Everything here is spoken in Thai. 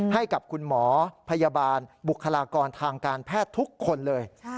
ให้กับคุณหมอพยาบาลบุคลากรทางการแพทย์ทุกคนเลย